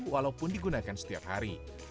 walaupun digunakan setiap hari